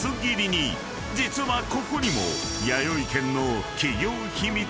［実はここにも］